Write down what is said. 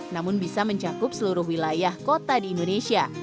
namun bisa mencakup seluruh wilayah kota di indonesia